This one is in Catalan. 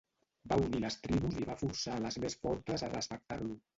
Va unir les tribus i va forçar a les més fortes a respectar-lo.